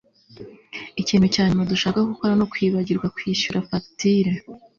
Ikintu cya nyuma dushaka gukora nukwibagirwa kwishyura fagitire